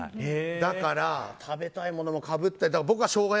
だから、食べたいものもかぶって僕がショウガ